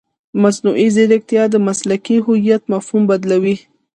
مصنوعي ځیرکتیا د مسلکي هویت مفهوم بدلوي.